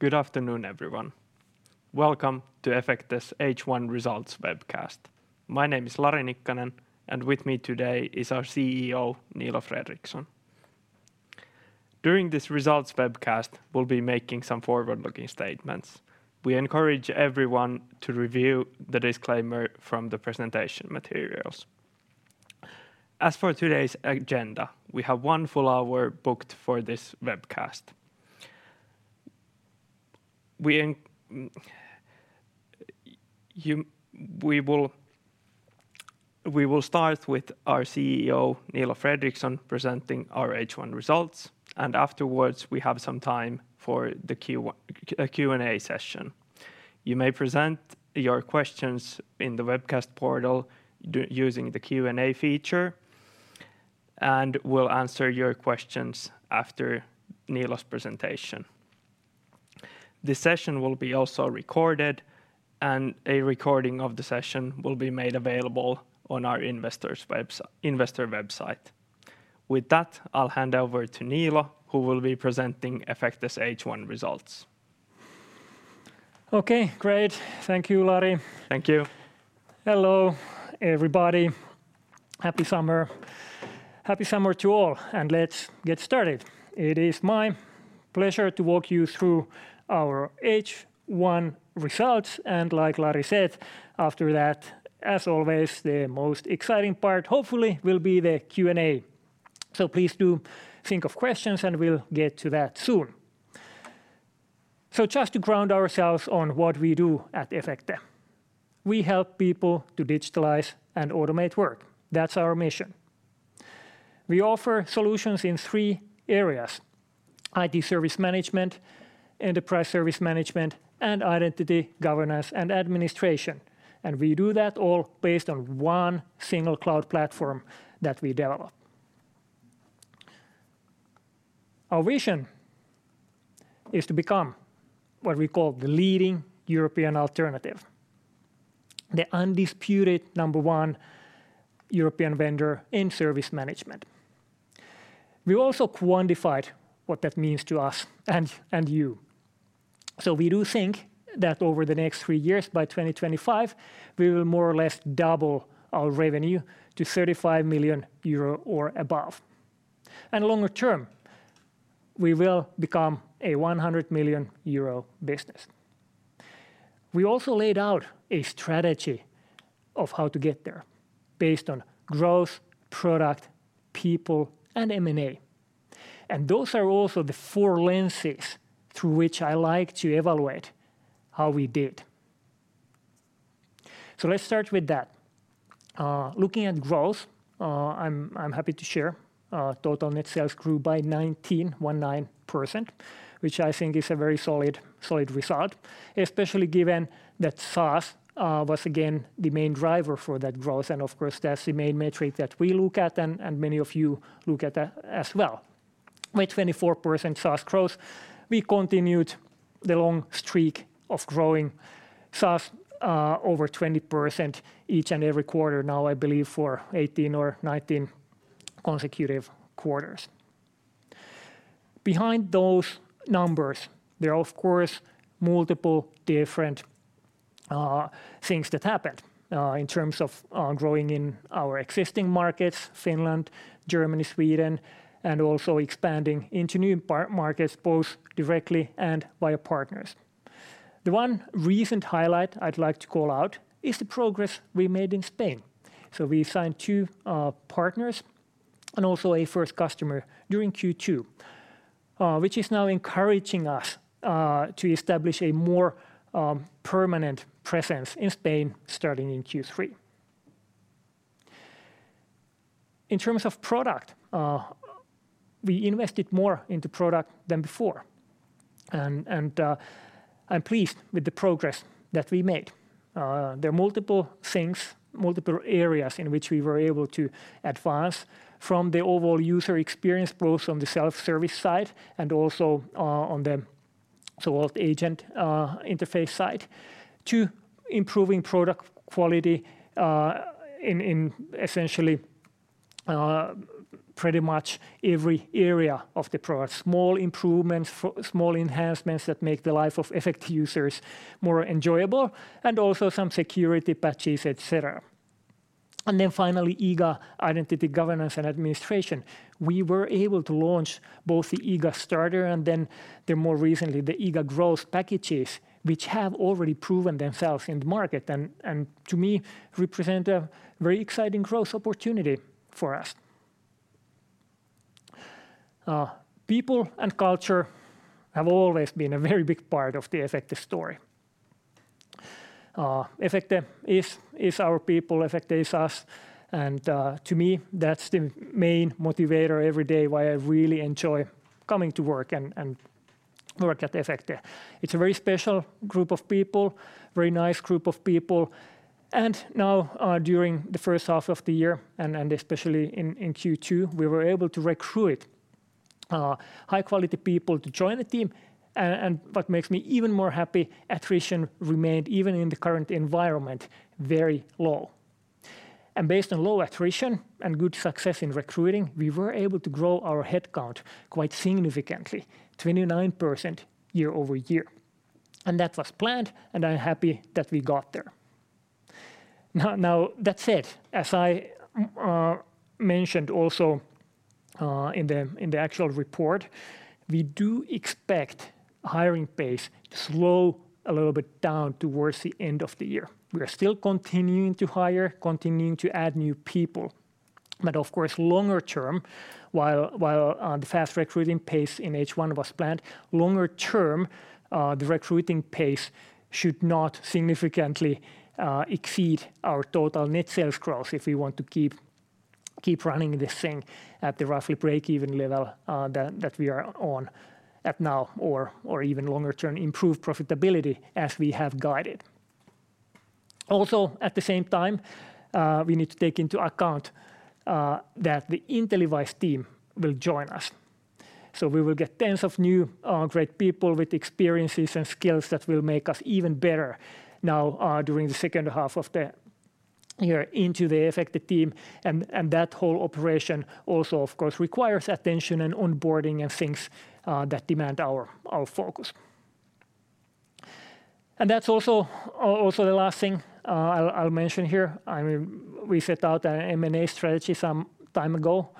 Good afternoon, everyone. Welcome to Efecte's H1 results webcast. My name is Lari Nikkanen, and with me today is our CEO, Niilo Fredrikson. During this results webcast, we'll be making some forward-looking statements. We encourage everyone to review the disclaimer from the presentation materials. As for today's agenda, we have one full hour booked for this webcast. We will start with our CEO, Niilo Fredrikson, presenting our H1 results, and afterwards, we have some time for the Q&A session. You may present your questions in the webcast portal using the Q&A feature, and we'll answer your questions after Niilo's presentation. This session will be also recorded, and a recording of the session will be made available on our investor website. With that, I'll hand over to Niilo, who will be presenting Efecte's H1 results. Okay, great. Thank you, Lari. Thank you. Hello, everybody. Happy summer. Happy summer to all, and let's get started. It is my pleasure to walk you through our H1 results, and like Lari said, after that, as always, the most exciting part, hopefully, will be the Q&A. Please do think of questions, and we'll get to that soon. Just to ground ourselves on what we do at Efecte. We help people to digitalize and automate work. That's our mission. We offer solutions in three areas: IT service management, enterprise service management, and identity governance and administration. We do that all based on one single cloud platform that we develop. Our vision is to become what we call the leading European alternative, the undisputed number one European vendor in service management. We also quantified what that means to us and you. We do think that over the next three years, by 2025, we will more or less double our revenue to 35 million euro or above. Longer term, we will become a 100 million euro business. We also laid out a strategy of how to get there based on growth, product, people, and M&A. Those are also the four lenses through which I like to evaluate how we did. Let's start with that. Looking at growth, I'm happy to share total net sales grew by 19%, which I think is a very solid result, especially given that SaaS was again the main driver for that growth. Of course, that's the main metric that we look at and many of you look at that as well. With 24% SaaS growth, we continued the long streak of growing SaaS over 20% each and every quarter now, I believe, for 18 or 19 consecutive quarters. Behind those numbers, there are, of course, multiple different things that happened in terms of growing in our existing markets, Finland, Germany, Sweden, and also expanding into new markets, both directly and via partners. The one recent highlight I'd like to call out is the progress we made in Spain. We signed two partners and also a first customer during Q2, which is now encouraging us to establish a more permanent presence in Spain starting in Q3. In terms of product, we invested more into product than before, and I'm pleased with the progress that we made. There are multiple things, multiple areas in which we were able to advance from the overall user experience, both on the self-service side and also on the so-called agent interface side, to improving product quality in essentially pretty much every area of the product. Small improvements, small enhancements that make the life of Efecte users more enjoyable, and also some security patches, et cetera. Finally, IGA, Identity Governance and Administration. We were able to launch both the IGA Starter and then the more recently, the IGA Growth packages, which have already proven themselves in the market and to me represent a very exciting growth opportunity for us. People and culture have always been a very big part of the Efecte story. Efecte is our people, Efecte is us, and to me, that's the main motivator every day why I really enjoy coming to work and work at Efecte. It's a very special group of people, very nice group of people. Now, during the first half of the year and especially in Q2, we were able to recruit high-quality people to join the team. What makes me even more happy, attrition remained, even in the current environment, very low. Based on low attrition and good success in recruiting, we were able to grow our headcount quite significantly, 29% year-over-year. That was planned, and I'm happy that we got there. Now that said, as I mentioned also in the actual report, we do expect hiring pace to slow a little bit down towards the end of the year. We are still continuing to hire, continuing to add new people. Of course, longer term, while the fast recruiting pace in H1 was planned, longer term, the recruiting pace should not significantly exceed our total net sales growth if we want to keep running this thing at the roughly break-even level that we are on now or even longer-term improve profitability as we have guided. Also, at the same time, we need to take into account that the InteliWISE team will join us. We will get tens of new, great people with experiences and skills that will make us even better now, during the second half of the year into the Efecte team. That whole operation also of course requires attention and onboarding and things, that demand our focus. That's also the last thing I'll mention here. I mean, we set out an M&A strategy some time ago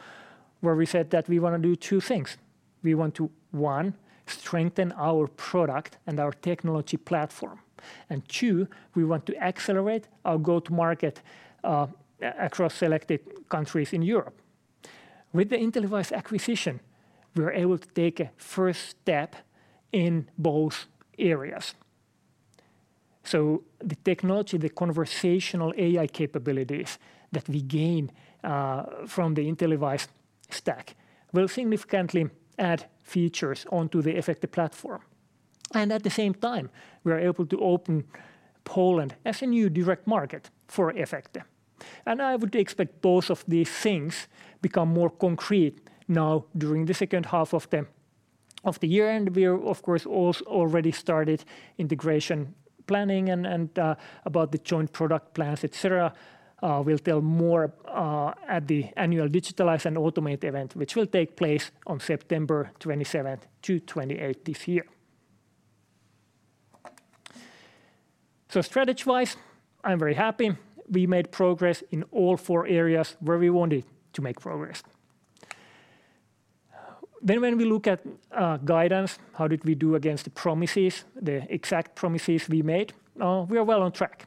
where we said that we wanna do two things. We want to, one, strengthen our product and our technology platform. Two, we want to accelerate our go-to-market, across selected countries in Europe. With the InteliWISE acquisition, we were able to take a first step in both areas. The technology, the conversational AI capabilities that we gain, from the InteliWISE stack will significantly add features onto the Efecte platform. At the same time, we are able to open Poland as a new direct market for Efecte. I would expect both of these things become more concrete now during the second half of the year. We are of course already started integration planning and about the joint product plans, et cetera. We'll tell more at the annual Digitalize and Automate event, which will take place on September 27th-28th this year. Strategy-wise, I'm very happy we made progress in all four areas where we wanted to make progress. When we look at guidance, how did we do against the promises, the exact promises we made, we are well on track.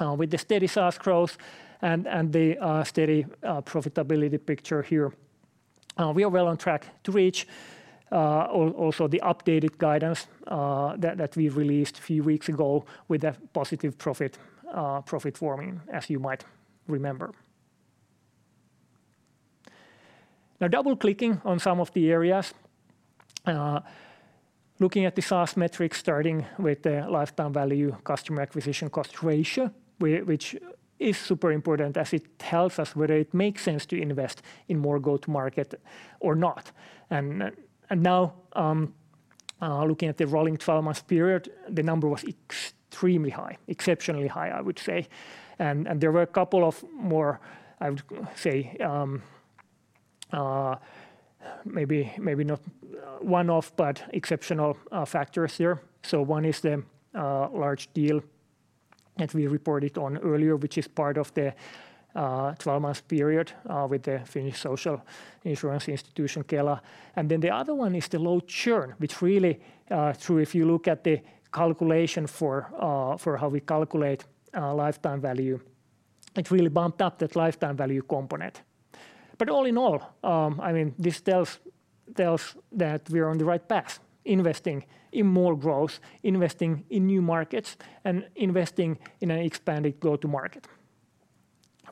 With the steady SaaS growth and the steady profitability picture here, we are well on track to reach also the updated guidance that we released a few weeks ago with a positive profit warning as you might remember. Now double-clicking on some of the areas, looking at the SaaS metrics starting with the lifetime value customer acquisition cost ratio which is super important as it tells us whether it makes sense to invest in more go-to-market or not. Now, looking at the rolling twelve-month period, the number was extremely high, exceptionally high, I would say. There were a couple of more, I would say, not one-off but exceptional factors here. One is the large deal that we reported on earlier, which is part of the twelve-month period with the Social Insurance Institution of Finland, Kela. The other one is the low churn, which really, if you look at the calculation for how we calculate lifetime value, it really bumped up that lifetime value component. All in all, I mean, this tells that we are on the right path, investing in more growth, investing in new markets, and investing in an expanded go-to-market.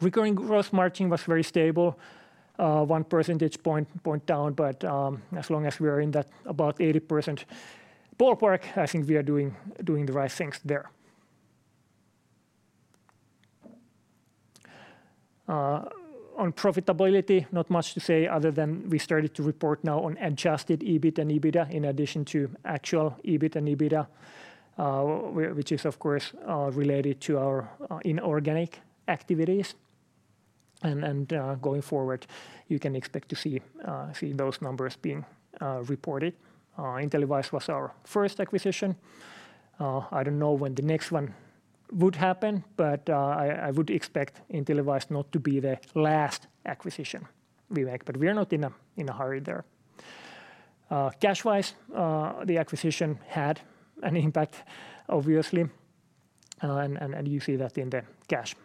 Recurring gross margin was very stable, one percentage point down, but as long as we are in that about 80% ballpark, I think we are doing the right things there. On profitability, not much to say other than we started to report now on adjusted EBIT and EBITDA in addition to actual EBIT and EBITDA, which is of course related to our inorganic activities. Going forward, you can expect to see those numbers being reported. InteliWISE was our first acquisition. I don't know when the next one would happen, but I would expect InteliWISE not to be the last acquisition we make, but we are not in a hurry there. Cash-wise, the acquisition had an impact obviously, and you see that in the cash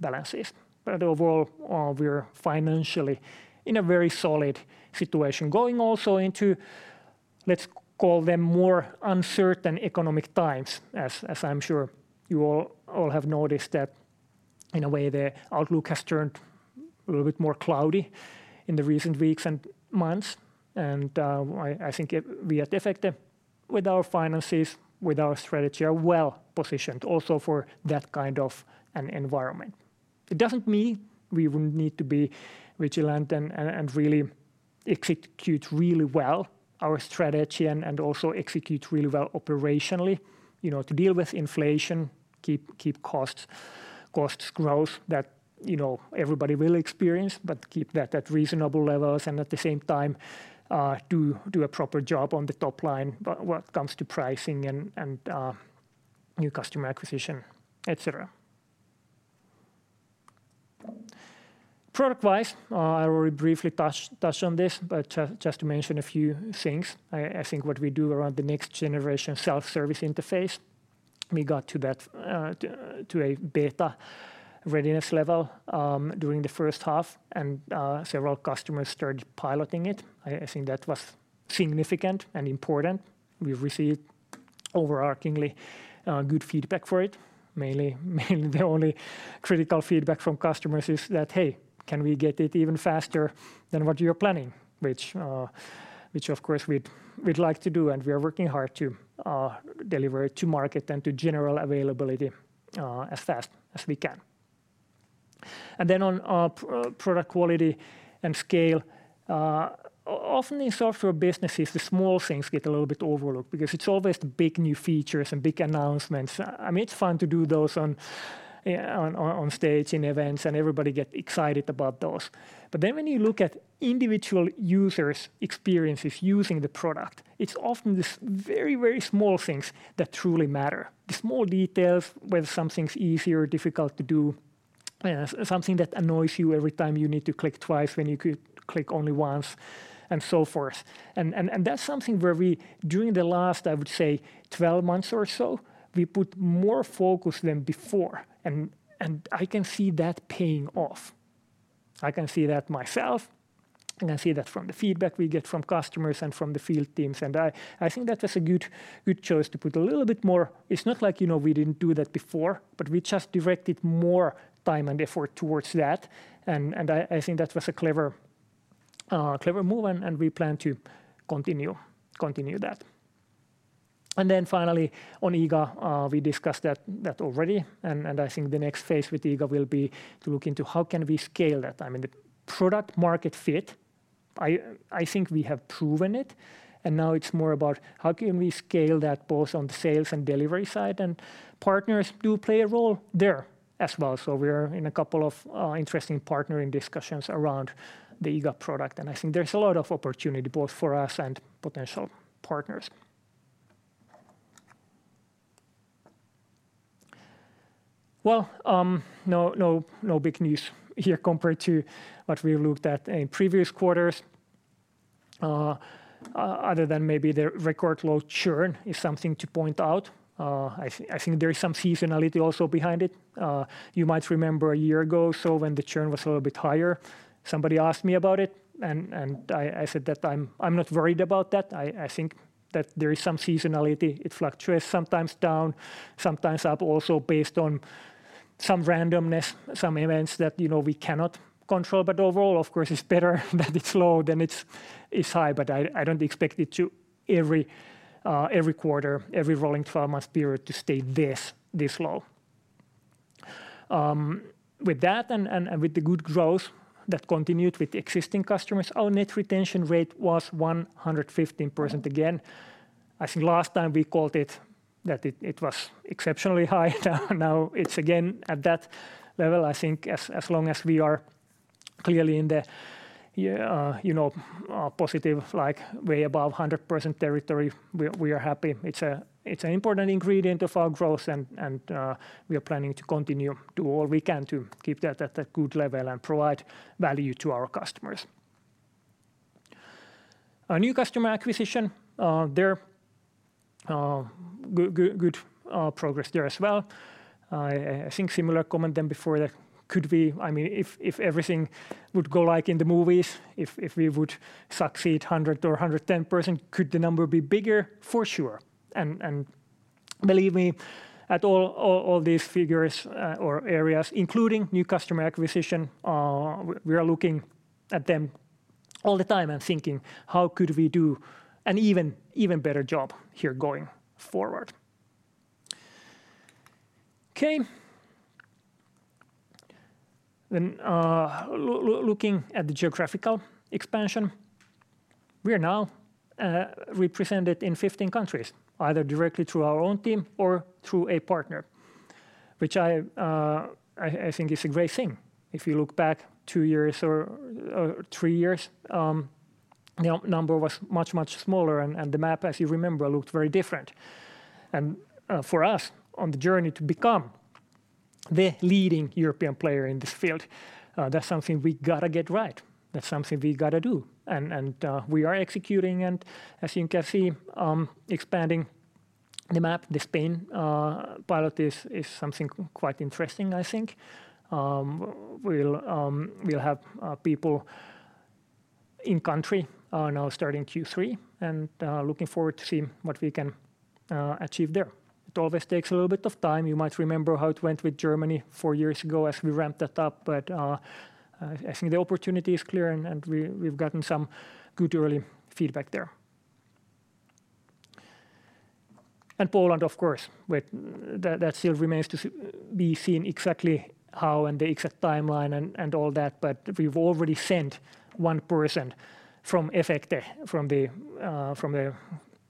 balances. Overall, we're financially in a very solid situation. Going also into, let's call them more uncertain economic times as I'm sure you all have noticed that in a way the outlook has turned a little bit more cloudy in the recent weeks and months. I think it, we at Efecte with our finances, with our strategy, are well-positioned also for that kind of an environment. It doesn't mean we wouldn't need to be vigilant and really execute really well our strategy and also execute really well operationally, you know, to deal with inflation, keep costs growth that, you know, everybody will experience, but keep that at reasonable levels and at the same time, do a proper job on the top line when it comes to pricing and new customer acquisition, et cetera. Product-wise, I will briefly touch on this, but just to mention a few things. I think what we do around the next generation self-service interface, we got to that to a beta readiness level during the first half and several customers started piloting it. I think that was significant and important. We've received overarchingly good feedback for it. Mainly the only critical feedback from customers is that, "Hey, can we get it even faster than what you're planning?" Which of course we'd like to do and we are working hard to deliver it to market and to general availability as fast as we can. On product quality and scale, often in software businesses, the small things get a little bit overlooked because it's always the big new features and big announcements. I mean, it's fun to do those on stage in events, and everybody get excited about those. But then when you look at individual users' experiences using the product, it's often very, very small things that truly matter. The small details, whether something's easy or difficult to do, something that annoys you every time you need to click twice when you could click only once, and so forth. That's something where we, during the last 12 months or so, put more focus than before, and I can see that paying off. I can see that myself. I can see that from the feedback we get from customers and from the field teams, and I think that was a good choice to put a little bit more. It's not like, you know, we didn't do that before, but we just directed more time and effort towards that. I think that was a clever move and we plan to continue that. Finally on IGA, we discussed that already and I think the next phase with IGA will be to look into how we can scale that. I mean, the product market fit, I think we have proven it, and now it's more about how we can scale that both on the sales and delivery side, and partners do play a role there as well. We are in a couple of interesting partnering discussions around the IGA product, and I think there's a lot of opportunity both for us and potential partners. Well, no big news here compared to what we looked at in previous quarters. Other than maybe the record low churn is something to point out. I think there is some seasonality also behind it. You might remember a year ago or so when the churn was a little bit higher, somebody asked me about it and I said that I'm not worried about that. I think that there is some seasonality. It fluctuates sometimes down, sometimes up, also based on some randomness, some events that, you know, we cannot control. Overall, of course, it's better that it's low than it's high. I don't expect it to every quarter, every rolling twelve-month period to stay this low. With that and with the good growth that continued with the existing customers, our net retention rate was 115% again. I think last time we called it that it was exceptionally high. Now it's again at that level. I think as long as we are clearly in the you know positive like way above 100% territory, we are happy. It's an important ingredient of our growth and we are planning to continue do all we can to keep that at a good level and provide value to our customers. Our new customer acquisition there good progress there as well. I think similar comment than before that could we. I mean, if everything would go like in the movies, if we would succeed 100% or 110%, could the number be bigger? For sure. Believe me, at all these figures or areas, including new customer acquisition, we are looking at them all the time and thinking, "How could we do an even better job here going forward?" Okay. Looking at the geographical expansion, we are now represented in 15 countries, either directly through our own team or through a partner, which I think is a great thing. If you look back two years or three years, the number was much smaller and the map, as you remember, looked very different. For us on the journey to become the leading European player in this field, that's something we gotta get right. That's something we gotta do. We are executing and as you can see, expanding the map. The Spain pilot is something quite interesting, I think. We'll have people in country now starting Q3, and looking forward to seeing what we can achieve there. It always takes a little bit of time. You might remember how it went with Germany four years ago as we ramped that up, but I think the opportunity is clear and we’ve gotten some good early feedback there. Poland, of course, but that still remains to be seen exactly how and the exact timeline and all that, but we’ve already sent one person from Efecte, from the,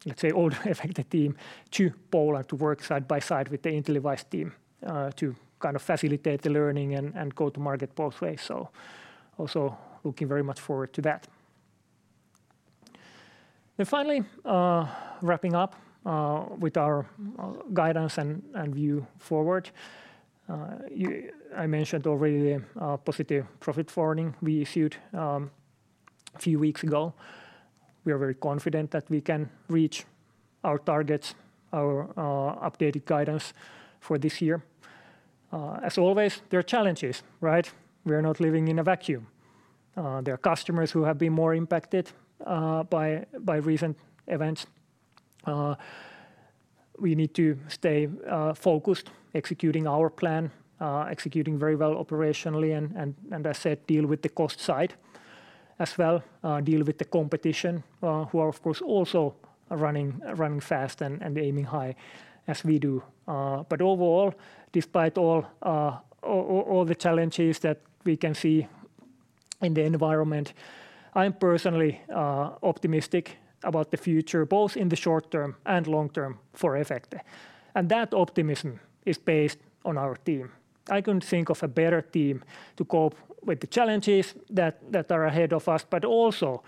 let’s say, old Efecte team to Poland to work side by side with the InteliWISE team, to kind of facilitate the learning and go to market both ways. Also looking very much forward to that. Finally, wrapping up with our guidance and view forward. I mentioned already a positive profit warning we issued a few weeks ago. We are very confident that we can reach our targets, our updated guidance for this year. As always, there are challenges, right? We are not living in a vacuum. There are customers who have been more impacted by recent events. We need to stay focused executing our plan, executing very well operationally, and as I said, deal with the cost side as well, deal with the competition, who are, of course, also running fast and aiming high as we do. But overall, despite all the challenges that we can see in the environment, I am personally optimistic about the future, both in the short term and long term for Efecte. That optimism is based on our team. I couldn't think of a better team to cope with the challenges that are ahead of us, but also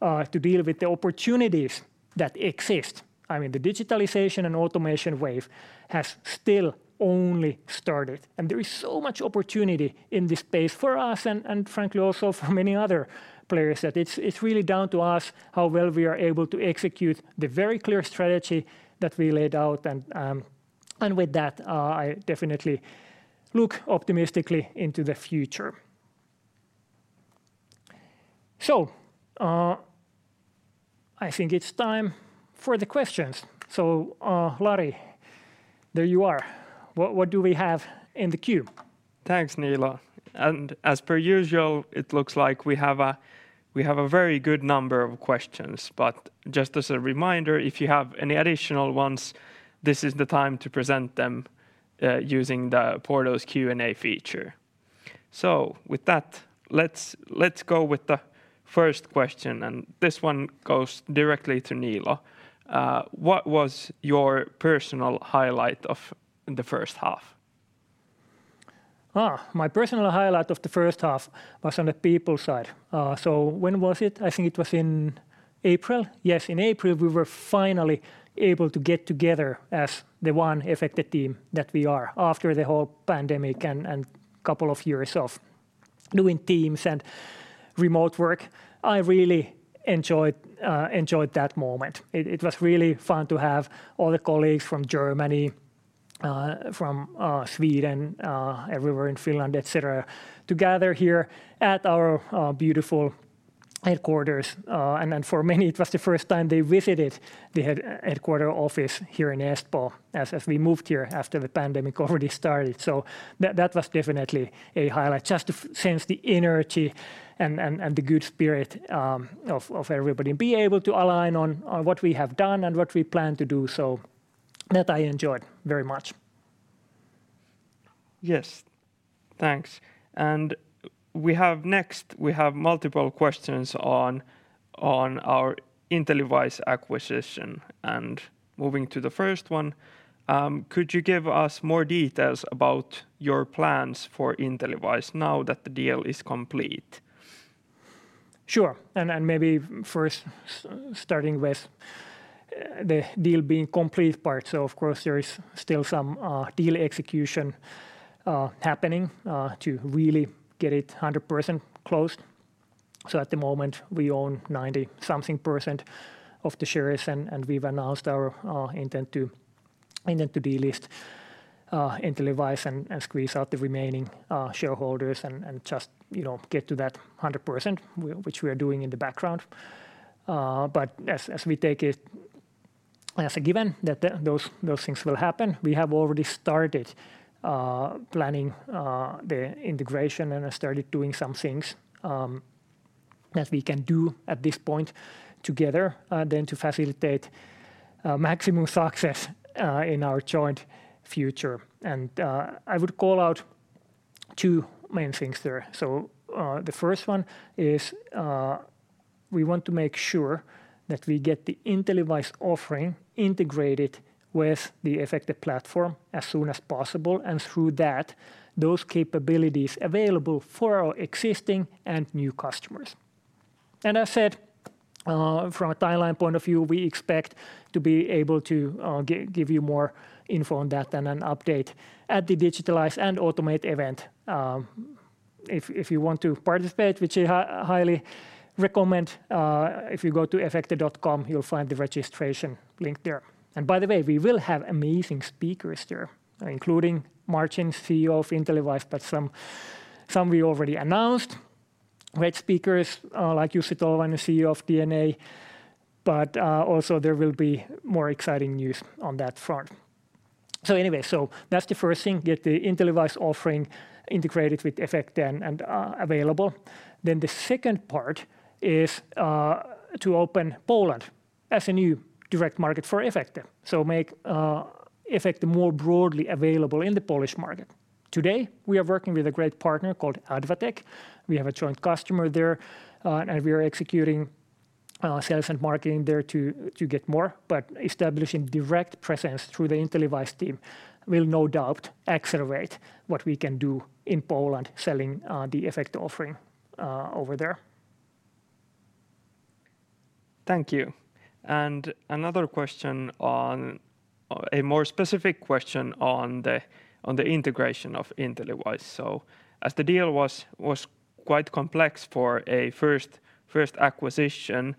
to deal with the opportunities that exist. I mean, the digitalization and automation wave has still only started, and there is so much opportunity in this space for us and frankly also for many other players that it's really down to us how well we are able to execute the very clear strategy that we laid out. With that, I definitely look optimistically into the future. I think it's time for the questions. Lari, there you are. What do we have in the queue? Thanks, Niilo. As per usual, it looks like we have a very good number of questions. Just as a reminder, if you have any additional ones, this is the time to present them using the portal's Q&A feature. With that, let's go with the first question, and this one goes directly to Niilo. What was your personal highlight of the first half? My personal highlight of the first half was on the people side. When was it? I think it was in April. Yes, in April, we were finally able to get together as the one Efecte team that we are after the whole pandemic and couple of years of doing Teams and remote work. I really enjoyed that moment. It was really fun to have all the colleagues from Germany, from Sweden, everywhere in Finland, et cetera, to gather here at our beautiful headquarters. For many, it was the first time they visited the headquarters office here in Espoo as we moved here after the pandemic already started. That was definitely a highlight. Just to sense the energy and the good spirit of everybody and be able to align on what we have done and what we plan to do. That I enjoyed very much. Yes. Thanks. We have multiple questions on our InteliWISE acquisition. Moving to the first one, could you give us more details about your plans for InteliWISE now that the deal is complete? Sure. Maybe first starting with the deal being complete part. Of course there is still some deal execution happening to really get it 100% closed. At the moment we own 90-something percent of the shares and we've announced our intent to delist InteliWISE and squeeze out the remaining shareholders and just, you know, get to that 100% which we are doing in the background. As we take it as a given that those things will happen, we have already started planning the integration and started doing some things that we can do at this point together then to facilitate maximum success in our joint future. I would call out two main things there. The first one is, we want to make sure that we get the InteliWISE offering integrated with the Efecte platform as soon as possible, and through that, those capabilities available for our existing and new customers. I said, from a timeline point of view, we expect to be able to give you more info on that and an update at the Digitalize and Automate event. If you want to participate, which I highly recommend, if you go to Efecte.com, you'll find the registration link there. By the way, we will have amazing speakers there, including Martin, CEO of InteliWISE, but some we already announced with speakers like Jussi Tolvanen, CEO of DNA, but also there will be more exciting news on that front. Anyway, that's the first thing, get the InteliWISE offering integrated with Efecte and available. The second part is to open Poland as a new direct market for Efecte. Make Efecte more broadly available in the Polish market. Today, we are working with a great partner called Advatech. We have a joint customer there, and we are executing sales and marketing there to get more. Establishing direct presence through the InteliWISE team will no doubt accelerate what we can do in Poland selling the Efecte offering over there. Thank you. Another question on a more specific question on the integration of InteliWISE. As the deal was quite complex for a first acquisition,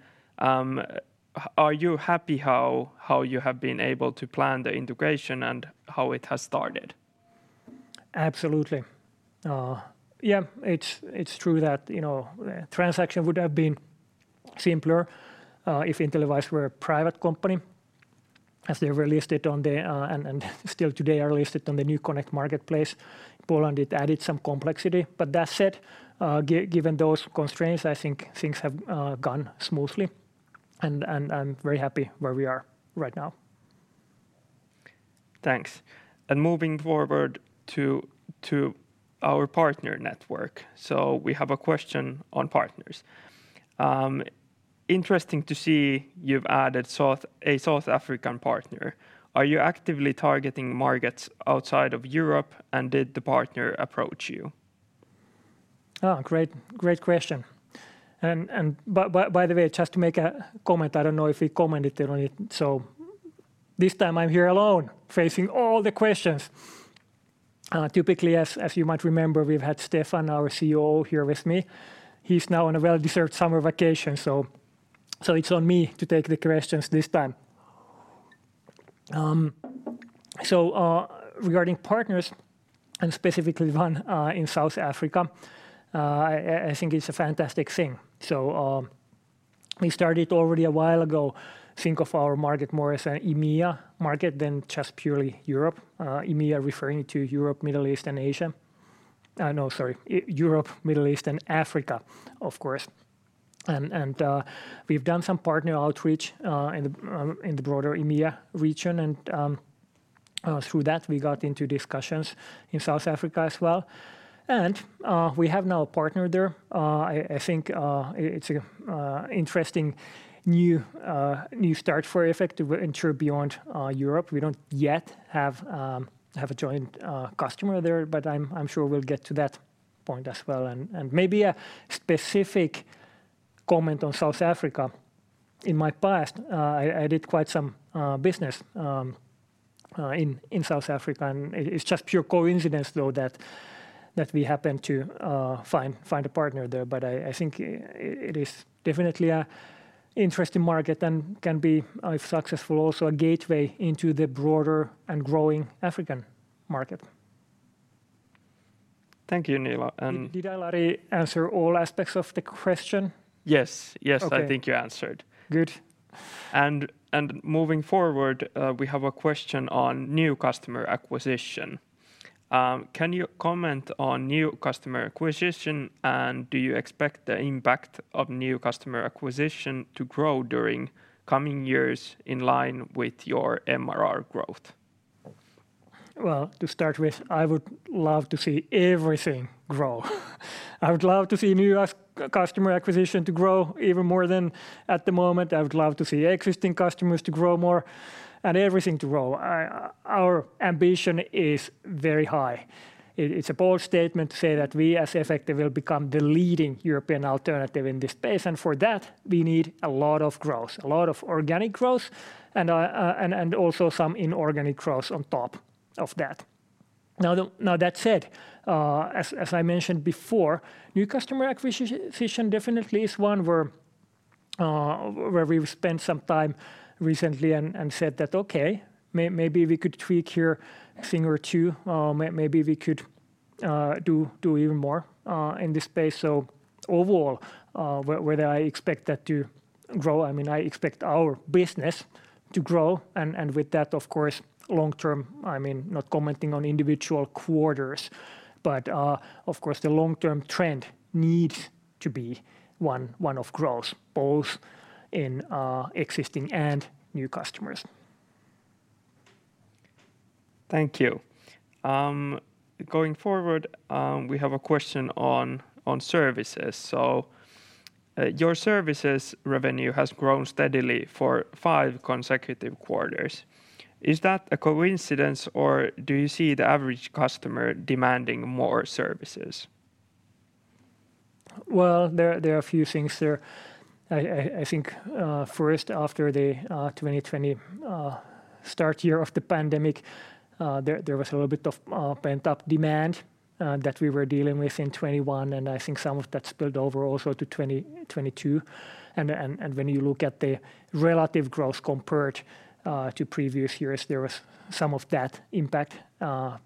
are you happy how you have been able to plan the integration and how it has started? Absolutely. Yeah, it's true that, you know, the transaction would have been simpler if InteliWISE were a private company, as they were listed on the NewConnect marketplace. Poland, it added some complexity. That said, given those constraints, I think things have gone smoothly and I'm very happy where we are right now. Thanks. Moving forward to our partner network. We have a question on partners. Interesting to see you've added South, a South African partner. Are you actively targeting markets outside of Europe, and did the partner approach you? Oh, great question. By the way, just to make a comment, I don't know if we commented on it. This time I'm here alone facing all the questions. Typically, as you might remember, we've had Steffan, our COO, here with me. He's now on a well-deserved summer vacation, so it's on me to take the questions this time. Regarding partners, and specifically one in South Africa, I think it's a fantastic thing. We started already a while ago think of our market more as an EMEA market than just purely Europe. EMEA referring to Europe, Middle East, and Asia. No, sorry, Europe, Middle East, and Africa, of course. We've done some partner outreach in the broader EMEA region and through that we got into discussions in South Africa as well. We have now a partner there. I think it's an interesting new start for Efecte to enter beyond Europe. We don't yet have a joint customer there, but I'm sure we'll get to that point as well. Maybe a specific comment on South Africa. In my past I did quite some business in South Africa, and it's just pure coincidence though that we happened to find a partner there. I think it is definitely an interesting market and can be successful, also a gateway into the broader and growing African market. Thank you, Niilo. Did I, Lari, answer all aspects of the question? Yes. Okay I think you answered. Good. Moving forward, we have a question on new customer acquisition. Can you comment on new customer acquisition, and do you expect the impact of new customer acquisition to grow during coming years in line with your MRR growth? Well, to start with, I would love to see everything grow. I would love to see new customer acquisition to grow even more than at the moment. I would love to see existing customers to grow more and everything to grow. Our ambition is very high. It's a bold statement to say that we as Efecte will become the leading European alternative in this space, and for that, we need a lot of growth, a lot of organic growth and also some inorganic growth on top of that. That said, as I mentioned before, new customer acquisition definitely is one where we've spent some time recently and said that, "Okay, maybe we could tweak here a thing or two. Maybe we could do even more in this space. Overall, whether I expect that to grow, I mean, I expect our business to grow, and with that, of course, long term, I mean, not commenting on individual quarters, but, of course, the long-term trend needs to be one of growth, both in existing and new customers. Thank you. Going forward, we have a question on services. Your services revenue has grown steadily for five consecutive quarters. Is that a coincidence, or do you see the average customer demanding more services? There are a few things there. I think first, after the 2020 start year of the pandemic, there was a little bit of pent-up demand that we were dealing with in 2021, and I think some of that spilled over also to 2022. When you look at the relative growth compared to previous years, there was some of that impact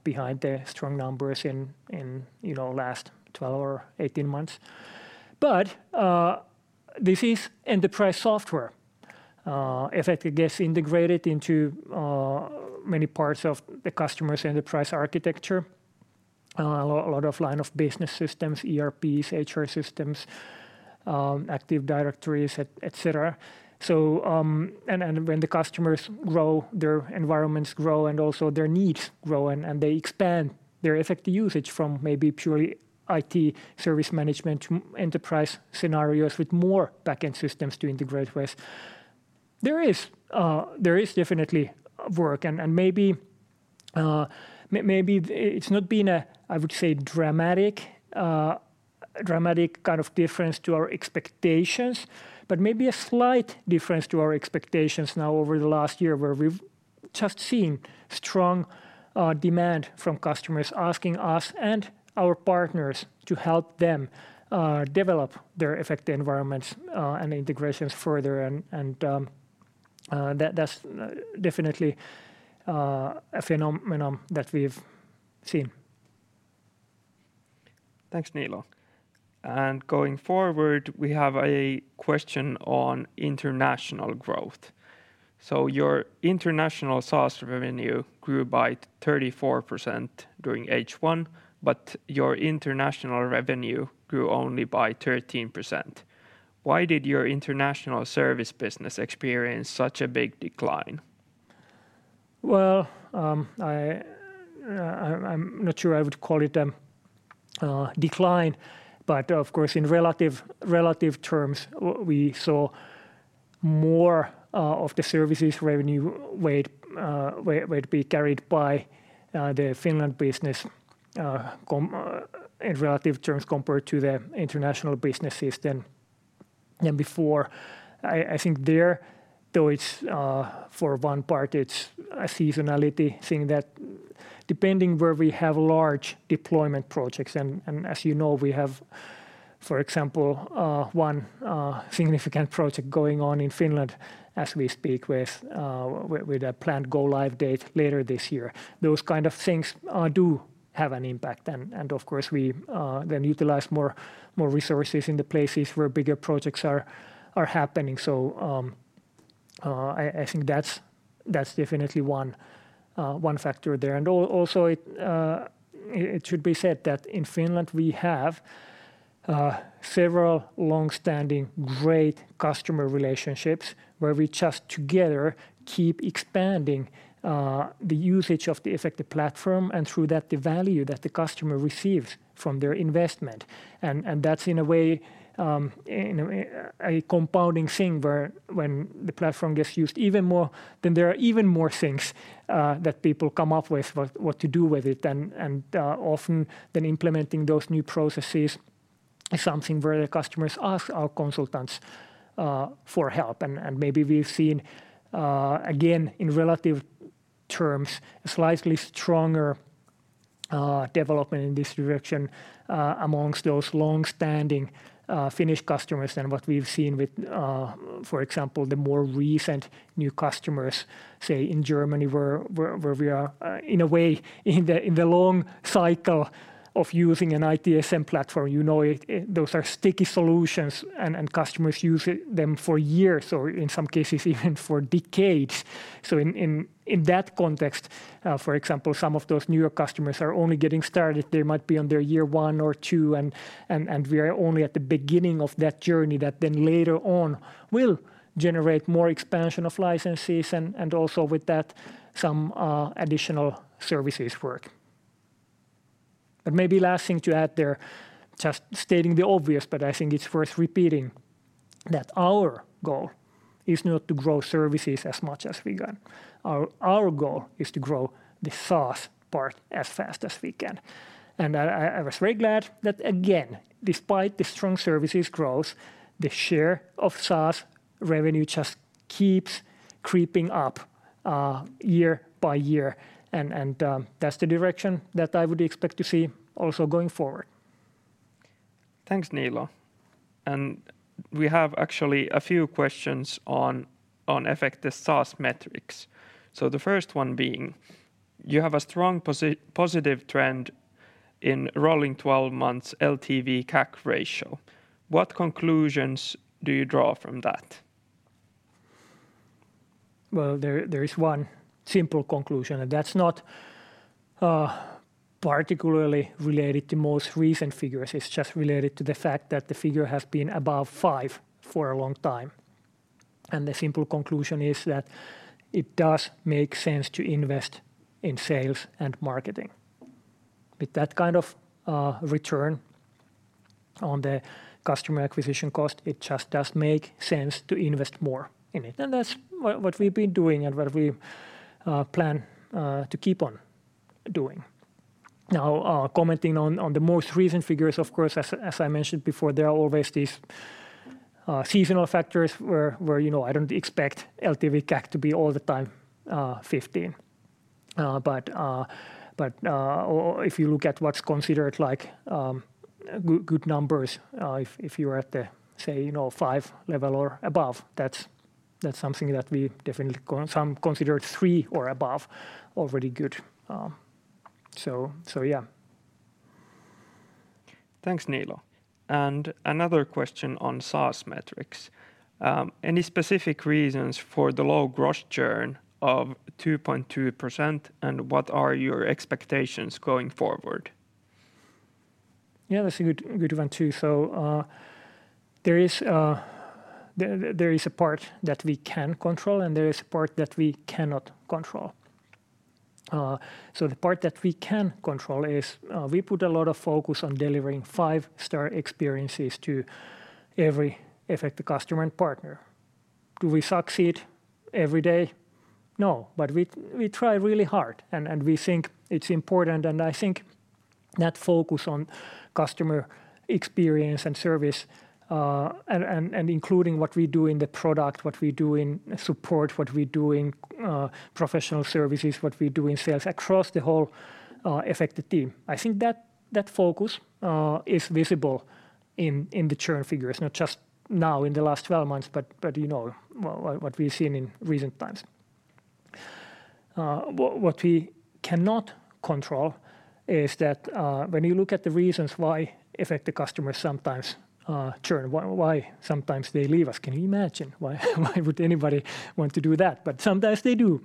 behind the strong numbers in, you know, last 12 or 18 months. This is enterprise software. Efecte gets integrated into many parts of the customer's enterprise architecture. A lot of line of business systems, ERPs, HR systems, active directories, et cetera. When the customers grow, their environments grow, and also their needs grow and they expand their Efecte usage from maybe purely IT service management to enterprise scenarios with more backend systems to integrate with. There is definitely work and maybe it's not been a, I would say, dramatic kind of difference to our expectations, but maybe a slight difference to our expectations now over the last year where we've just seen strong demand from customers asking us and our partners to help them develop their Efecte environments and integrations further and that's definitely a phenomenon that we've seen. Thanks, Niilo. Going forward, we have a question on international growth. Your international SaaS revenue grew by 34% during H1, but your international revenue grew only by 13%. Why did your international service business experience such a big decline? Well, I'm not sure I would call it a decline, but of course, in relative terms, we saw more of the services revenue weight be carried by the Finland business in relative terms compared to the international business segment than before. I think there, though it's for one part, it's a seasonality thing that depending where we have large deployment projects and as you know, we have, for example, one significant project going on in Finland as we speak with a planned go-live date later this year. Those kind of things do have an impact then, and of course we then utilize more resources in the places where bigger projects are happening. I think that's definitely one factor there. It should be said that in Finland, we have several long-standing great customer relationships where we just together keep expanding the usage of the Efecte platform and through that the value that the customer receives from their investment. That's in a way a compounding thing where when the platform gets used even more, then there are even more things that people come up with what to do with it. Often then implementing those new processes is something where the customers ask our consultants for help. Maybe we've seen again, in relative terms, a slightly stronger development in this direction among those long-standing Finnish customers than what we've seen with, for example, the more recent new customers, say, in Germany where we are in a way in the long cycle of using an ITSM platform. You know, those are sticky solutions and customers use them for years or in some cases even for decades. In that context, for example, some of those newer customers are only getting started. They might be on their year one or two and we are only at the beginning of that journey that then later on will generate more expansion of licenses and also with that some additional services work. Maybe last thing to add there, just stating the obvious, but I think it's worth repeating that our goal is not to grow services as much as we can. Our goal is to grow the SaaS part as fast as we can. I was very glad that again, despite the strong services growth, the share of SaaS revenue just keeps creeping up year by year. That's the direction that I would expect to see also going forward. Thanks, Niilo. We have actually a few questions on Efecte's SaaS metrics. The first one being, you have a strong positive trend in rolling twelve months LTV/CAC ratio. What conclusions do you draw from that? Well, there is one simple conclusion, and that's not particularly related to most recent figures. It's just related to the fact that the figure has been above five for a long time. The simple conclusion is that it does make sense to invest in sales and marketing. With that kind of return on the customer acquisition cost, it just does make sense to invest more in it. That's what we've been doing and what we plan to keep on doing. Now, commenting on the most recent figures, of course, as I mentioned before, there are always these seasonal factors where, you know, I don't expect LTV/CAC to be all the time 15. If you look at what's considered like good numbers, if you're at, say, you know, five level or above, that's something that we definitely, some consider three or above already good. Yeah. Thanks, Niilo. Another question on SaaS metrics. Any specific reasons for the low gross churn of 2.2%, and what are your expectations going forward? Yeah, that's a good one too. There is a part that we can control, and there is a part that we cannot control. The part that we can control is we put a lot of focus on delivering five-star experiences to every Efecte customer and partner. Do we succeed every day? No. We try really hard, and we think it's important. I think that focus on customer experience and service, and including what we do in the product, what we do in support, what we do in professional services, what we do in sales, across the whole Efecte team. I think that focus is visible in the churn figures, not just now in the last 12 months, but you know, what we've seen in recent times. What we cannot control is that, when you look at the reasons why Efecte customers sometimes churn, why sometimes they leave us. Can you imagine? Why would anybody want to do that? Sometimes they do.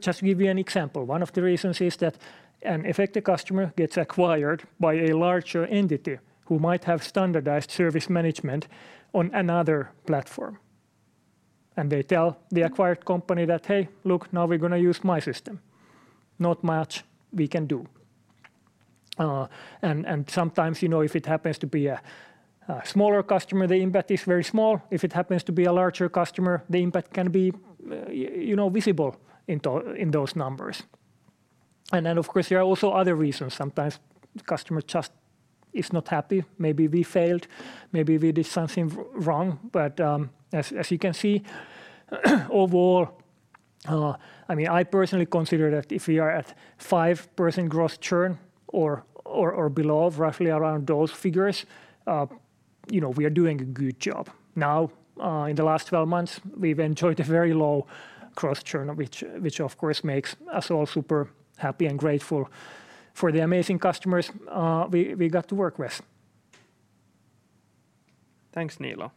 Just to give you an example, one of the reasons is that an Efecte customer gets acquired by a larger entity who might have standardized service management on another platform, and they tell the acquired company that, "Hey, look, now we're gonna use my system." Not much we can do. Sometimes, you know, if it happens to be a smaller customer, the impact is very small. If it happens to be a larger customer, the impact can be, you know, visible in those numbers. Then, of course, there are also other reasons. Sometimes the customer just is not happy. Maybe we failed. Maybe we did something wrong. As you can see, overall, I mean, I personally consider that if we are at 5% gross churn or below, roughly around those figures, you know, we are doing a good job. Now, in the last 12 months, we've enjoyed a very low gross churn, which of course makes us all super happy and grateful for the amazing customers we got to work with. Thanks, Niilo.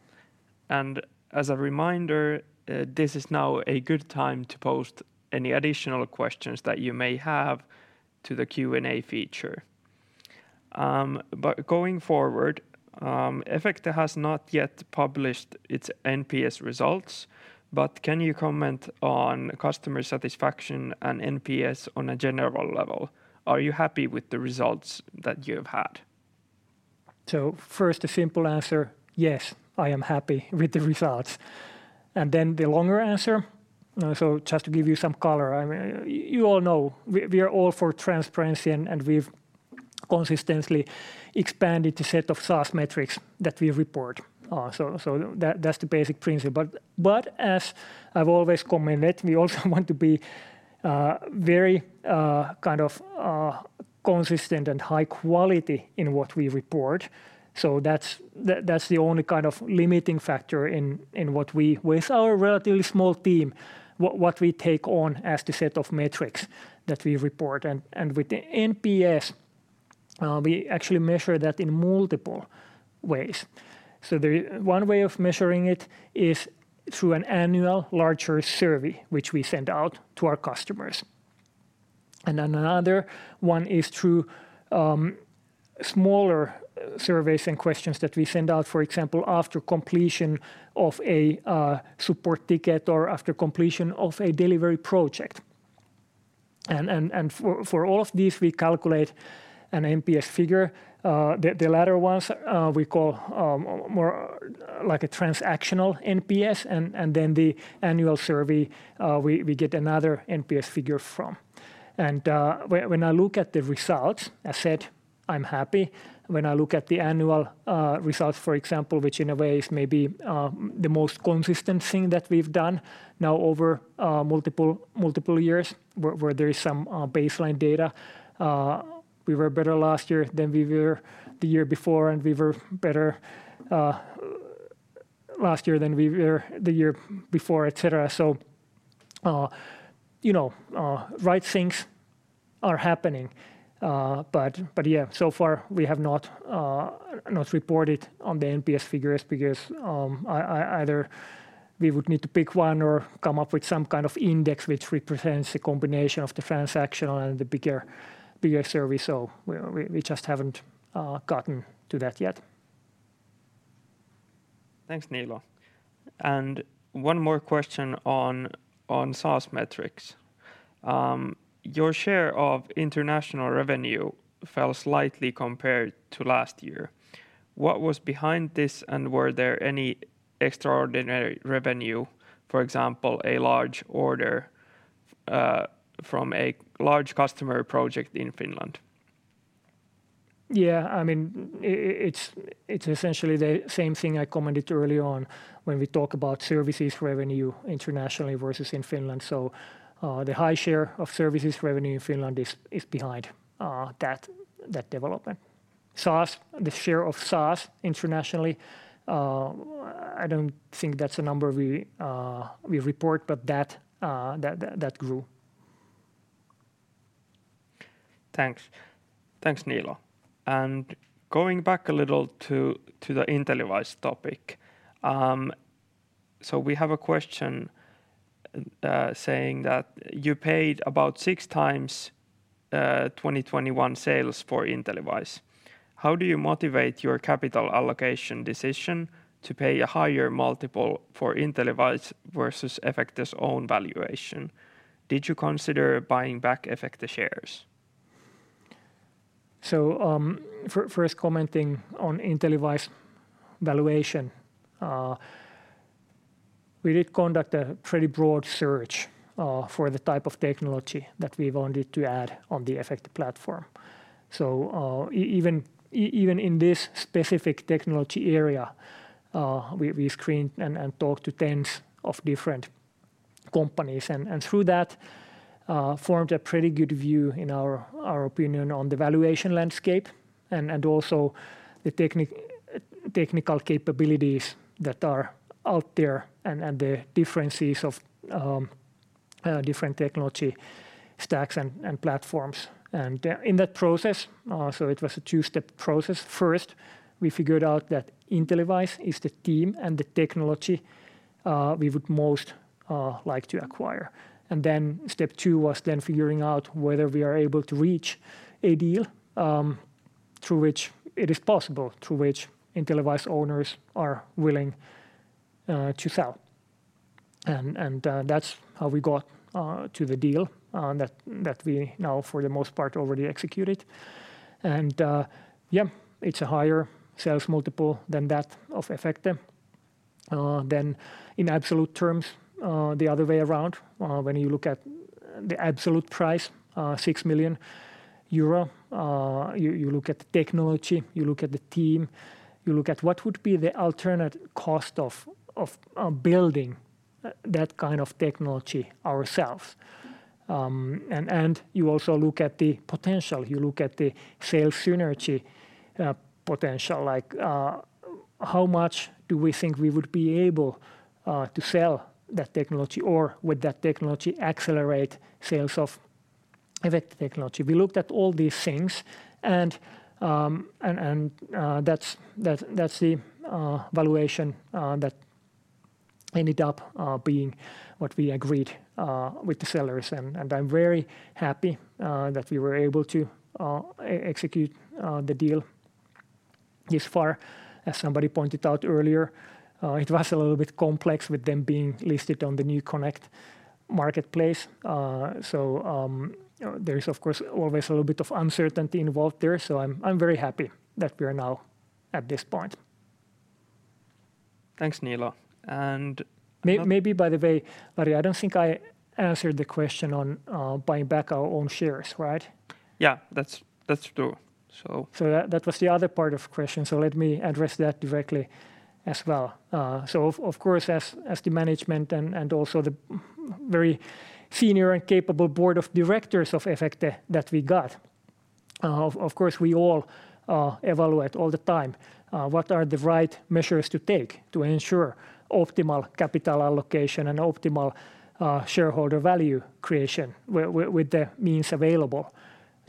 As a reminder, this is now a good time to post any additional questions that you may have to the Q&A feature. Going forward, Efecte has not yet published its NPS results, but can you comment on customer satisfaction and NPS on a general level? Are you happy with the results that you've had? First, the simple answer, yes, I am happy with the results. The longer answer, just to give you some color, I mean, you all know we are all for transparency, and we've consistently expanded the set of SaaS metrics that we report. That's the basic principle. As I've always commented, we also want to be very kind of consistent and high quality in what we report. That's the only kind of limiting factor in what we, with our relatively small team, what we take on as the set of metrics that we report. With the NPS, we actually measure that in multiple ways. The one way of measuring it is through an annual larger survey which we send out to our customers. Then another one is through smaller surveys and questions that we send out, for example, after completion of a support ticket or after completion of a delivery project. For all of these, we calculate an NPS figure. The latter ones we call more like a transactional NPS, and then the annual survey we get another NPS figure from. When I look at the results, I said I'm happy. When I look at the annual results, for example, which in a way is maybe the most consistent thing that we've done now over multiple years where there is some baseline data, we were better last year than we were the year before, and we were better last year than we were the year before, et cetera. You know, right things are happening. But yeah, so far we have not reported on the NPS figures because either we would need to pick one or come up with some kind of index which represents a combination of the transactional and the bigger survey. We just haven't gotten to that yet. Thanks, Niilo. One more question on SaaS metrics. Your share of international revenue fell slightly compared to last year. What was behind this, and were there any extraordinary revenue, for example, a large order, from a large customer project in Finland? Yeah. I mean, it's essentially the same thing I commented early on when we talk about services revenue internationally versus in Finland. The high share of services revenue in Finland is behind that development. SaaS, the share of SaaS internationally, I don't think that's a number we report, but that grew. Thanks. Thanks, Niilo. Going back a little to the InteliWISE topic. We have a question saying that you paid about 6x 2021 sales for InteliWISE. How do you motivate your capital allocation decision to pay a higher multiple for InteliWISE versus Efecte's own valuation? Did you consider buying back Efecte shares? First commenting on InteliWISE valuation, we did conduct a pretty broad search for the type of technology that we wanted to add on the Efecte platform. Even in this specific technology area, we screened and talked to tens of different companies and through that formed a pretty good view, in our opinion, on the valuation landscape and also the technical capabilities that are out there and the differences of different technology stacks and platforms. In that process, it was a two-step process. First, we figured out that InteliWISE is the team and the technology we would most like to acquire. Step two was then figuring out whether we are able to reach a deal, through which it is possible, through which InteliWISE owners are willing to sell. That's how we got to the deal that we now for the most part already executed. Yeah, it's a higher sales multiple than that of Efecte. In absolute terms, the other way around, when you look at the absolute price, 6 million euro, you look at the technology, you look at the team, you look at what would be the alternate cost of building that kind of technology ourselves. You also look at the potential, you look at the sales synergy potential, like, how much do we think we would be able to sell that technology or would that technology accelerate sales of Efecte technology? We looked at all these things and that's the valuation that ended up being what we agreed with the sellers. I'm very happy that we were able to execute the deal this far. As somebody pointed out earlier, it was a little bit complex with them being listed on the NewConnect marketplace. There is, of course, always a little bit of uncertainty involved there, so I'm very happy that we are now at this point. Thanks, Niilo. Maybe by the way, Lari, I don't think I answered the question on buying back our own shares, right? Yeah, that's true. That was the other part of the question, so let me address that directly as well. Of course, as the management and also the very senior and capable board of directors of Efecte that we got, of course, we all evaluate all the time what are the right measures to take to ensure optimal capital allocation and optimal shareholder value creation with the means available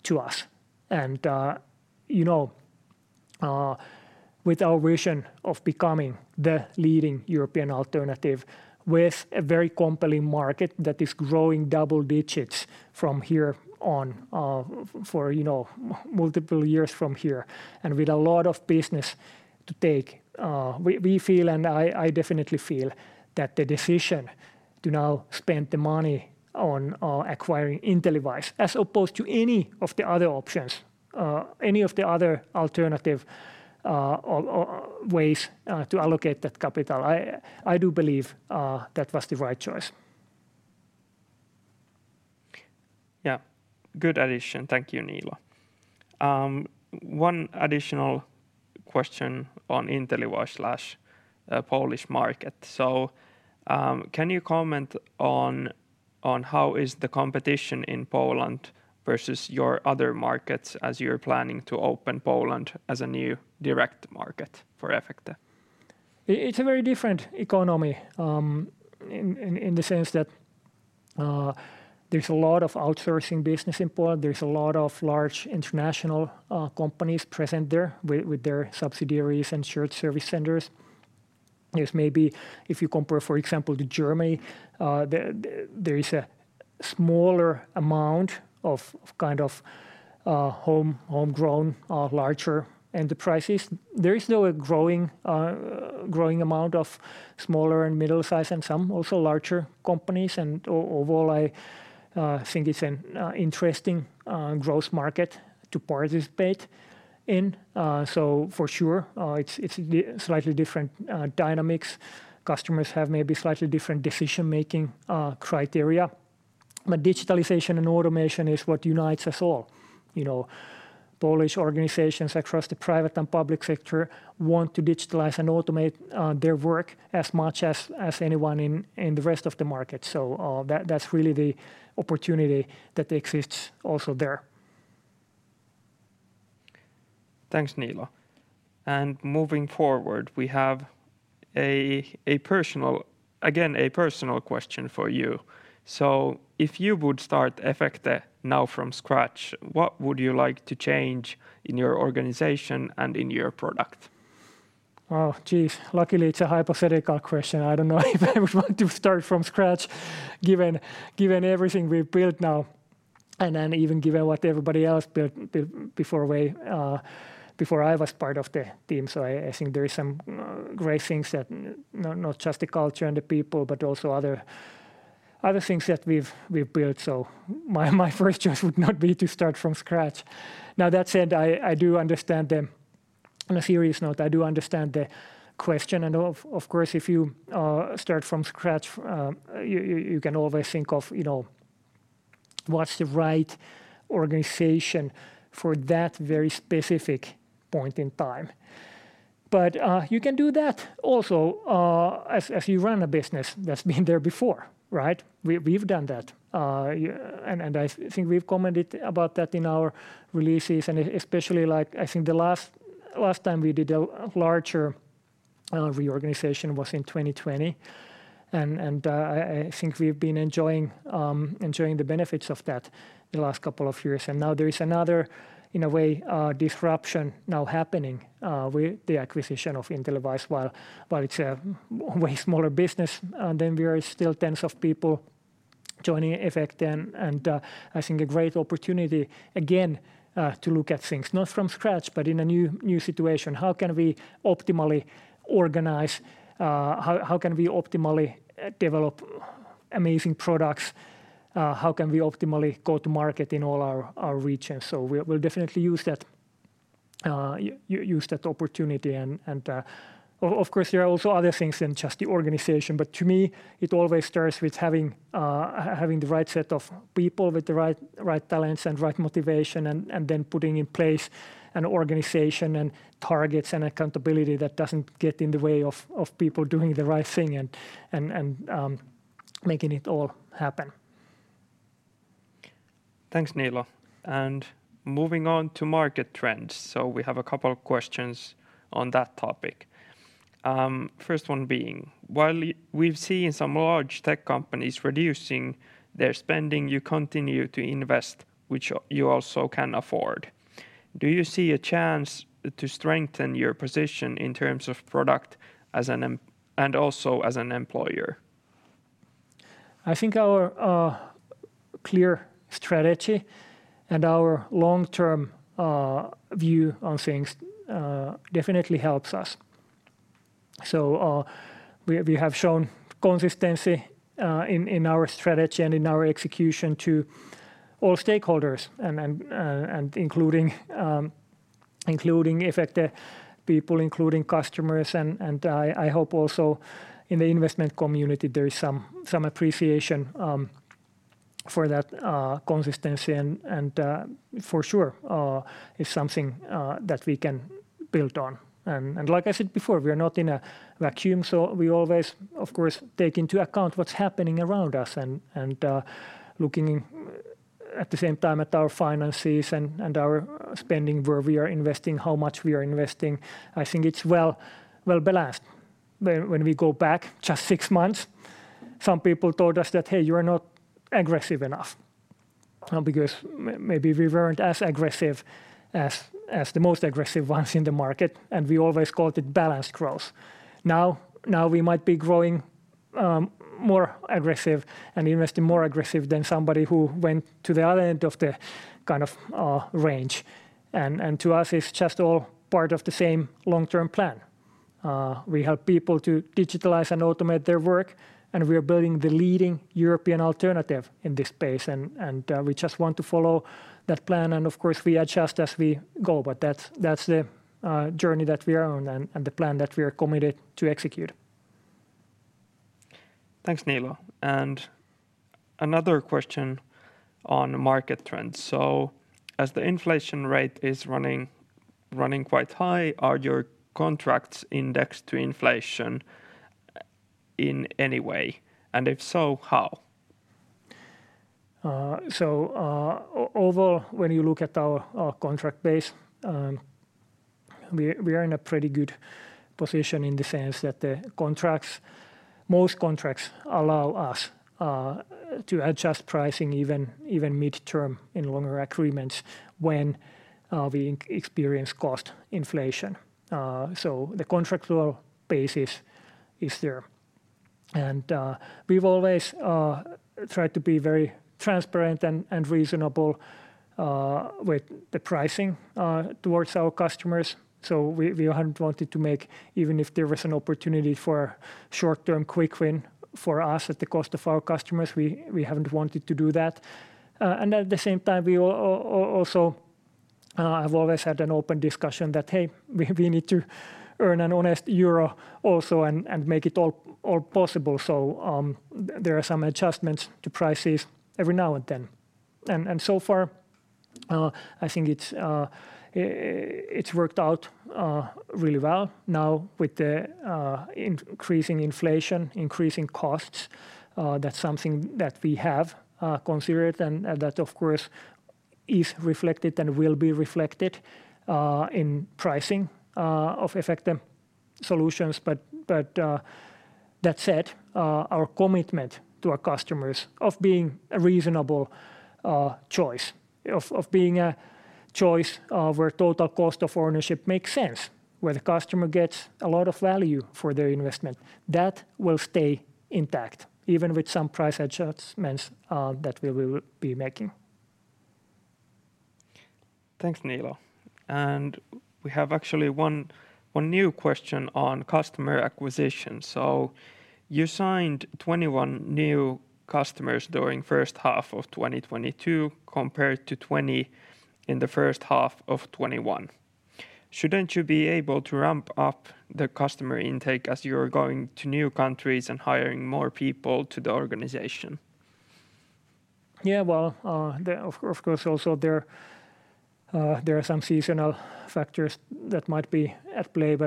to us. You know, with our vision of becoming the leading European alternative with a very compelling market that is growing double digits from here on, for, you know, multiple years from here, and with a lot of business to take, we feel and I definitely feel that the decision to now spend the money on acquiring InteliWISE as opposed to any of the other options, any of the other alternative, or ways to allocate that capital, I do believe that was the right choice. Yeah. Good addition. Thank you, Niilo. One additional question on InteliWISE, Polish market. Can you comment on how is the competition in Poland versus your other markets as you're planning to open Poland as a new direct market for Efecte? It's a very different economy in the sense that there's a lot of outsourcing business in Poland. There's a lot of large international companies present there with their subsidiaries and shared service centers. There's maybe, if you compare, for example, to Germany, there is a smaller amount of kind of homegrown larger enterprises. There is now a growing amount of smaller and middle size and some also larger companies and overall I think it's an interesting growth market to participate in. For sure, it's slightly different dynamics. Customers have maybe slightly different decision-making criteria. Digitalization and automation is what unites us all. You know, Polish organizations across the private and public sector want to digitalize and automate their work as much as anyone in the rest of the market. That's really the opportunity that exists also there. Thanks, Niilo. Moving forward, we have a personal question for you. If you would start Efecte now from scratch, what would you like to change in your organization and in your product? Oh, geez. Luckily, it's a hypothetical question. I don't know if I would want to start from scratch given everything we've built now, and then even given what everybody else built before we, before I was part of the team. I think there is some great things that not just the culture and the people, but also other things that we've built. So my first choice would not be to start from scratch. Now, that said, I do understand the question. On a serious note, I do understand the question. Of course, if you start from scratch, you can always think of, you know, what's the right organization for that very specific point in time. You can do that also as you run a business that's been there before, right? We've done that. I think we've commented about that in our releases and especially, like, I think the last time we did a larger reorganization was in 2020. I think we've been enjoying the benefits of that the last couple of years. Now there is another, in a way, disruption now happening with the acquisition of InteliWISE while it's a way smaller business than we are, still tens of people joining Efecte and I think a great opportunity again to look at things, not from scratch, but in a new situation. How can we optimally organize? How can we optimally develop amazing products? How can we optimally go to market in all our regions? We'll definitely use that opportunity. Of course, there are also other things than just the organization. To me, it always starts with having the right set of people with the right talents and right motivation and making it all happen. Thanks, Niilo. Moving on to market trends. We have a couple of questions on that topic. First one being, while we've seen some large tech companies reducing their spending, you continue to invest, which you also can afford. Do you see a chance to strengthen your position in terms of product and also as an employer? I think our clear strategy and our long-term view on things definitely helps us. We have shown consistency in our strategy and in our execution to all stakeholders and including Efecte people, including customers, and I hope also in the investment community there is some appreciation for that consistency and for sure is something that we can build on. Like I said before, we are not in a vacuum, so we always, of course, take into account what's happening around us and looking at the same time at our finances and our spending, where we are investing, how much we are investing. I think it's well-balanced. When we go back just six months, some people told us that, "Hey, you're not aggressive enough." Because maybe we weren't as aggressive as the most aggressive ones in the market, and we always called it balanced growth. Now we might be growing more aggressive and investing more aggressive than somebody who went to the other end of the kind of range. To us, it's just all part of the same long-term plan. We help people to digitalize and automate their work, and we are building the leading European alternative in this space, and we just want to follow that plan. Of course, we adjust as we go, but that's the journey that we are on and the plan that we are committed to execute. Thanks, Niilo. Another question on market trends. As the inflation rate is running quite high, are your contracts indexed to inflation in any way? If so, how? Overall, when you look at our contract base, we are in a pretty good position in the sense that the contracts, most contracts allow us to adjust pricing even midterm in longer agreements when we experience cost inflation. The contractual basis is there. We've always tried to be very transparent and reasonable with the pricing towards our customers. We haven't wanted to make, even if there was an opportunity for short-term quick win for us at the cost of our customers, we haven't wanted to do that. At the same time, we also have always had an open discussion that, hey, we need to earn an honest euro also and make it all possible. There are some adjustments to prices every now and then. So far, I think it's worked out really well now with the increasing inflation, increasing costs. That's something that we have considered and that of course is reflected and will be reflected in pricing of Efecte solutions. That said, our commitment to our customers of being a reasonable choice of being a choice of where total cost of ownership makes sense, where the customer gets a lot of value for their investment, that will stay intact even with some price adjustments that we will be making. Thanks, Niilo. We have actually one new question on customer acquisition. You signed 21 new customers during first half of 2022 compared to 20 in the first half of 2021. Shouldn't you be able to ramp up the customer intake as you're going to new countries and hiring more people to the organization? Yeah. Well, of course, there are some seasonal factors that might be at play.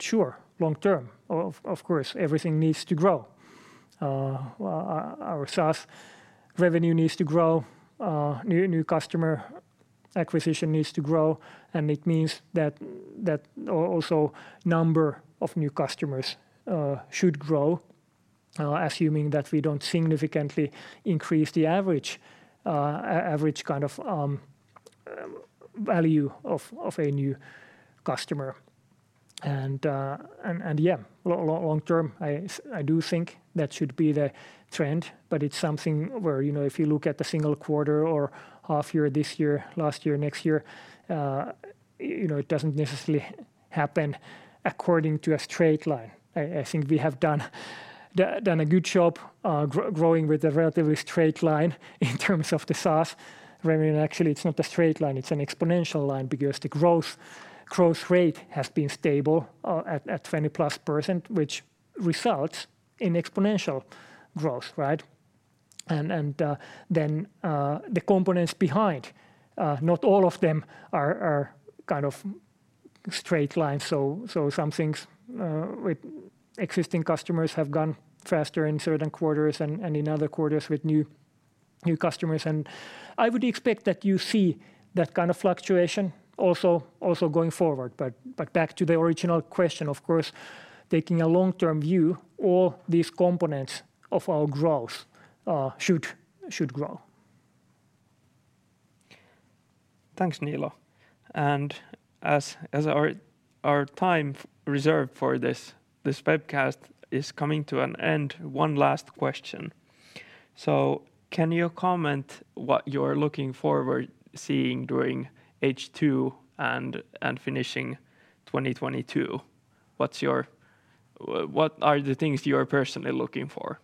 Sure, long term, of course, everything needs to grow. Our SaaS revenue needs to grow. New customer acquisition needs to grow, and it means that also number of new customers should grow, assuming that we don't significantly increase the average kind of value of a new customer. Yeah, long term, I do think that should be the trend, but it's something where, you know, if you look at the single quarter or half year this year, last year, next year, you know, it doesn't necessarily happen according to a straight line. I think we have done a good job growing with a relatively straight line in terms of the SaaS revenue. Actually, it's not a straight line, it's an exponential line because the growth rate has been stable at 20%+, which results in exponential growth, right? Then the components behind, not all of them are kind of straight line. Some things with existing customers have gone faster in certain quarters and in other quarters with new customers. I would expect that you see that kind of fluctuation also going forward. Back to the original question, of course, taking a long-term view, all these components of our growth should grow. Thanks, Niilo. As our time reserved for this webcast is coming to an end, one last question. Can you comment what you're looking forward seeing during H2 and finishing 2022? What are the things you are personally looking for?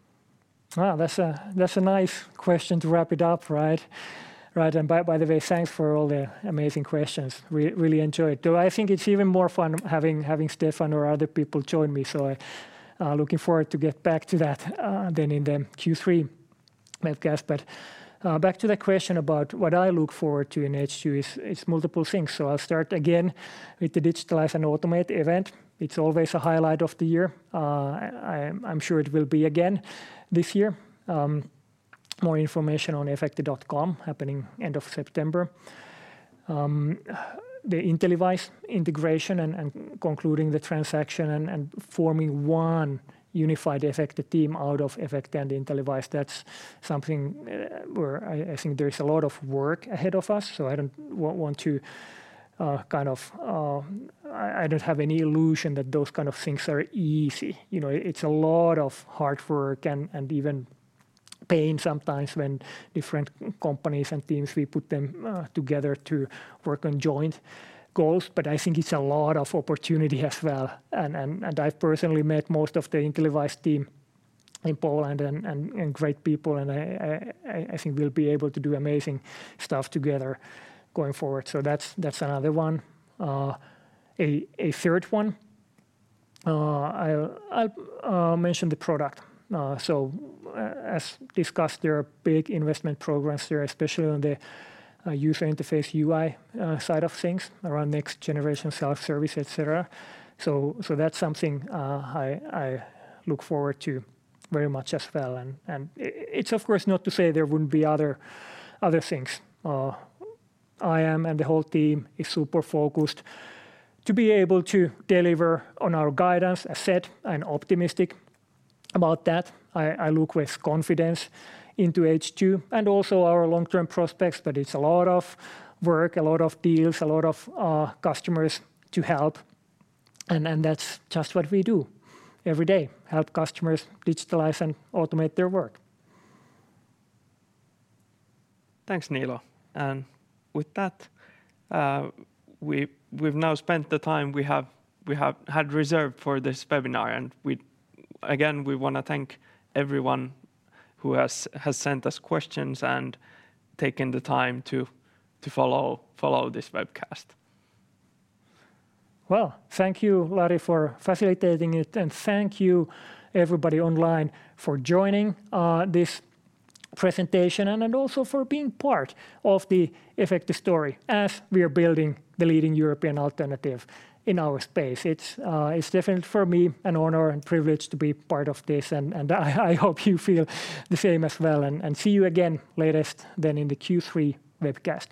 Wow, that's a nice question to wrap it up, right? Right. By the way, thanks for all the amazing questions. Really enjoyed. Though I think it's even more fun having Steffan or other people join me, looking forward to get back to that, then in the Q3 webcast. Back to the question about what I look forward to in H2 is multiple things. I'll start again with the Digitalize and Automate event. It's always a highlight of the year. I'm sure it will be again this year. More information on efecte.com happening end of September. The InteliWISE integration and concluding the transaction and forming one unified Efecte team out of Efecte and InteliWISE, that's something where I think there's a lot of work ahead of us. I don't want to kind of... I don't have any illusion that those kind of things are easy. You know, it's a lot of hard work and even pain sometimes when different companies and teams we put them together to work on joint goals. I think it's a lot of opportunity as well. I've personally met most of the InteliWISE team in Poland and great people, and I think we'll be able to do amazing stuff together going forward. That's another one. A third one, I'll mention the product. As discussed, there are big investment programs there, especially on the user interface UI side of things around next generation self-service, et cetera. That's something I look forward to very much as well. It's of course not to say there wouldn't be other things. I am, and the whole team is super focused to be able to deliver on our guidance as set and optimistic about that. I look with confidence into H2 and also our long-term prospects. It's a lot of work, a lot of deals, a lot of customers to help, and that's just what we do every day, help customers digitalize and automate their work. Thanks, Niilo. With that, we've now spent the time we have had reserved for this webinar. We again wanna thank everyone who has sent us questions and taken the time to follow this webcast. Well, thank you, Lari, for facilitating it, and thank you everybody online for joining this presentation and also for being part of the Efecte story as we are building the leading European alternative in our space. It's definitely for me an honor and privilege to be part of this and I hope you feel the same as well. See you again latest then in the Q3 webcast.